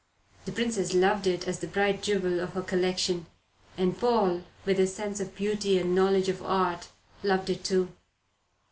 The Princess loved it as the bright jewel of her collection, and Paul, with his sense of beauty and knowledge of art, loved it too.